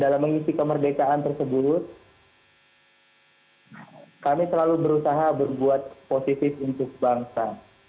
dalam mengisi kemerdekaan tersebut kami selalu berusaha berbuat positif untuk bangsa